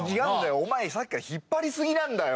お前さっきから引っ張り過ぎだよ